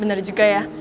bener juga ya